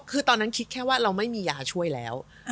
คือตอนนั้นคิดแค่ว่าเราไม่มียาช่วยแล้ว